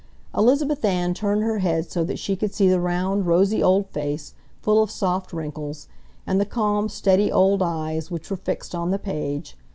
Elizabeth Ann turned her head so that she could see the round, rosy old face, full of soft wrinkles, and the calm, steady old eyes which were fixed on the page.